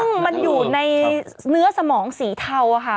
ซึ่งมันอยู่ในเนื้อสมองสีเทาค่ะ